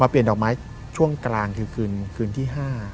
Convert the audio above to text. เปลี่ยนดอกไม้ช่วงกลางคือคืนที่๕